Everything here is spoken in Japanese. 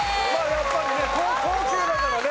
やっぱりね高級だからね。